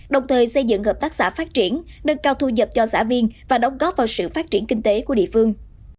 đồng thời xây dựng hợp tác xã phát triển nâng cao thu nhập cho xã viên và đóng góp vào sự phát triển kinh tế của địa phương